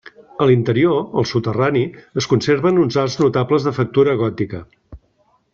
A l'interior, al soterrani, es conserven uns arcs notables de factura gòtica.